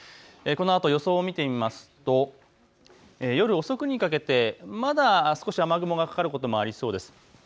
このあと予想を見てみますと夜遅くにかけてまだ少し雨雲がかかることもありそうです。